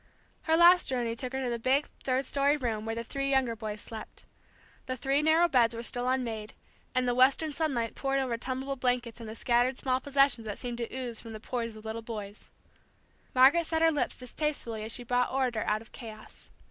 Her last journey took her to the big, third story room where the three younger boys slept. The three narrow beds were still unmade, and the western sunlight poured over tumbled blankets and the scattered small possessions that seem to ooze from the pores of little boys, Margaret set her lips distastefully as she brought order out of chaos.